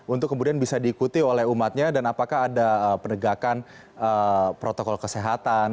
untuk kemudian bisa diikuti oleh umatnya dan apakah ada penegakan protokol kesehatan